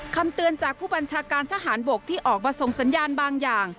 คำเตือนจากผู้บัญชาการทหารบกที่ออกมาส่งสัญญาณบางอย่าง